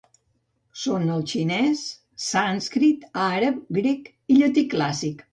Són el xinès, sànscrit, àrab, grec i llatí clàssic.